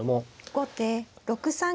後手６三銀。